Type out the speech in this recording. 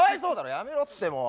やめろってもう。